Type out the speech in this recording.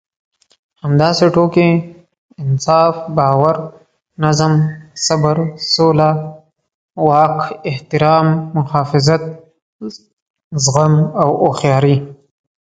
همداسې ټوکې، انصاف، باور، نظم، صبر، سوله، واک، احترام، محافظت، زغم او هوښياري.